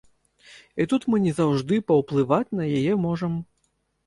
І тут мы не заўжды паўплываць на яе можам.